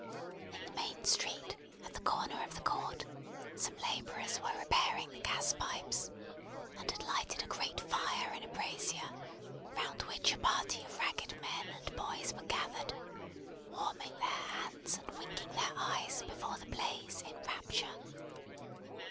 In the main street, at the corner of the court, some labourers were repairing the gas pipes, and had lighted a great fire in a brazier, round which a party of ragged men and boys were gathered: warming their hands and winking their eyes before the blaze in rapture.